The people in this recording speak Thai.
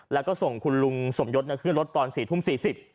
แล้วก็ส่งคุณลุงสมยศขึ้นรถตอน๔ทุ่ม๔๐